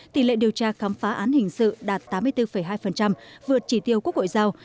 tỷ lệ điều tra khám phá án hình sự đạt tám mươi bốn hai vượt chỉ tiêu quốc hội giao